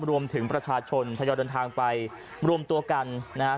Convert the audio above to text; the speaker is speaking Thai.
รวมถึงประชาชนทยอยเดินทางไปรวมตัวกันนะครับ